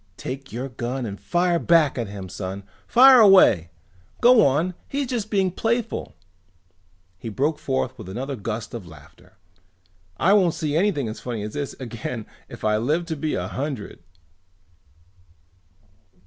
"Take your gun and fire back at him, son. Fire away! Go on, he's just being playful!" He broke forth with another gust of laughter. "I won't see anything as funny as this again if I live to be a hundred!"